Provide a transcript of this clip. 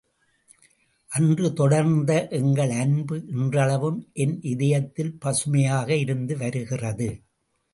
அன்று தொடர்ந்த எங்கள் அன்பு இன்றளவும் என் இதயத்தில் பசுமையாக இருந்து வருகிறது.